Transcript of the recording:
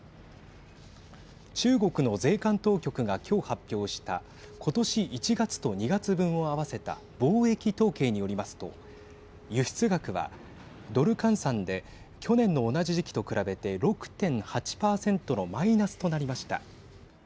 中国の税関当局が今日、発表した今年１月と２月分を合わせた貿易統計によりますと輸出額はドル換算で去年の同じ時期と比べて６．８％のマイナスとなりました。